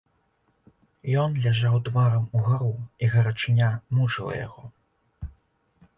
Ён ляжаў тварам угару, і гарачыня мучыла яго.